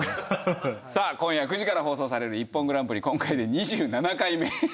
さあ今夜９時から放送される『ＩＰＰＯＮグランプリ』今回で２７回目。